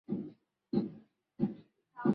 Utalii endelevu utasaidia kupunguza umasikini visiwani